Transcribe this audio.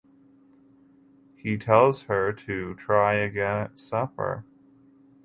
He tells her to "try again at supper".